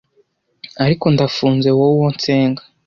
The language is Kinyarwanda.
ariko ndafunze wowe uwo nsenga